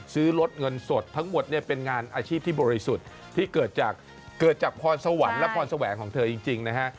ซื้อรถเงินสดทั้งหมดเนี่ยเป็นงานอาชีพที่บริสุทธิ์ที่เกิดจากเกิดจากพรสวรรค์และพรแสวงของเธอจริงนะฮะ